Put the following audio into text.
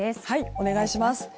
お願いします。